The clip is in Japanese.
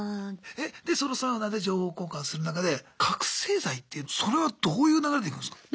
でそのサウナで情報交換する中で覚醒剤ってそれはどういう流れでいくんすか？